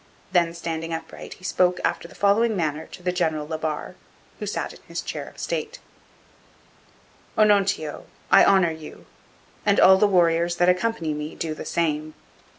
Then standing upright he spoke after the following manner to the General La Barre, who sat in his chair of state: 'Onontio, I honour you, and all the warriors that accompany me do the same.